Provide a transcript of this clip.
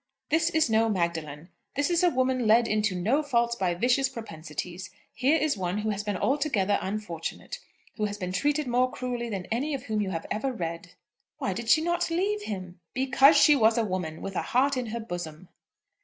"This is no Magdalene. This is a woman led into no faults by vicious propensities. Here is one who has been altogether unfortunate, who has been treated more cruelly than any of whom you have ever read." "Why did she not leave him?" "Because she was a woman, with a heart in her bosom."